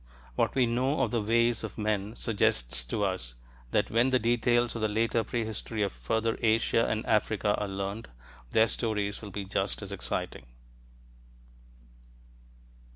What we know of the ways of men suggests to us that when the details of the later prehistory of further Asia and Africa are learned, their stories will be just as exciting.